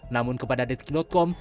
namun kepada detik com